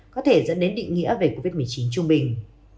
có thể dẫn đến định nghĩa về covid một mươi chín trung bình